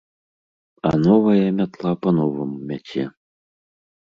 А новая мятла па-новаму мяце.